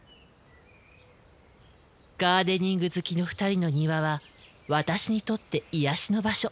ガーデニング好きの２人の庭は私にとって癒やしの場所。